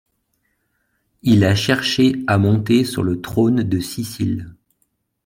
Il a cherché à monter sur le trône de Sicile.